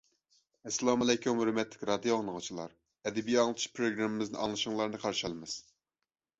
ئەسسالامۇئەلەيكۇم ھۆرمەتلىك رادىئو ئاڭلىغۇچىلار، ئەدەبىي ئاڭلىتىش پروگراممىمىزنى ئاڭلىشىڭلارنى قارشى ئالىمىز.